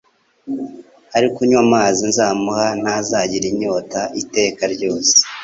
ariko unywa amazi nzamuha ntazagira inyota iteka ryose,